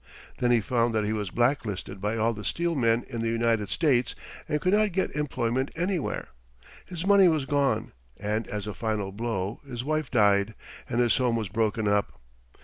Then he found that he was blacklisted by all the steel men in the United States and could not get employment anywhere. His money was gone, and, as a final blow, his wife died and his home was broken up.